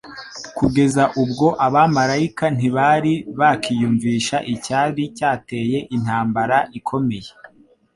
Kugeza n'ubwo abamaraika ntibari bakiyumvisha icyari cyateye intambara ikomeye.